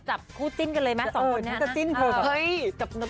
จับคู่จิ้นกันเลยมั้ยสองคนเนี่ยนะ